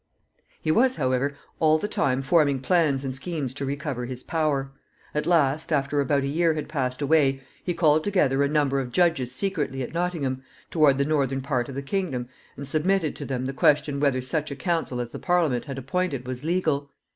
He was, however, all the time forming plans and schemes to recover his power. At last, after about a year had passed away, he called together a number of judges secretly at Nottingham, toward the northern part of the kingdom, and submitted to them the question whether such a council as the Parliament had appointed was legal.